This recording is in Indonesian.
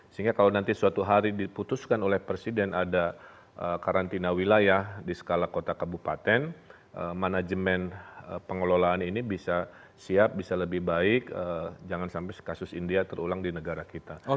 sehingga kalau nanti suatu hari diputuskan oleh presiden ada karantina wilayah di skala kota kabupaten manajemen pengelolaan ini bisa siap bisa lebih baik jangan sampai kasus india terulang di negara kita